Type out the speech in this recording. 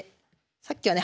さっきはね